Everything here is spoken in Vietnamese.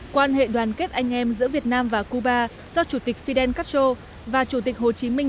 quan hệ đoàn kết anh em giữa việt nam và cuba do chủ tịch fidel castro và chủ tịch hồ chí minh